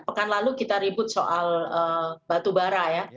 pekan lalu kita ribut soal batubara ya